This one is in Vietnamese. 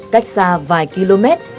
cách xa vài km